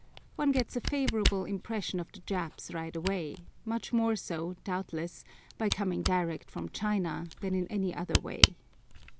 One gets a favorable impression of the Japs right away; much more so, doubtless, by coming direct from China than in any other way.